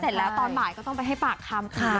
เสร็จแล้วตอนบ่ายก็ต้องไปให้ปากคำค่ะ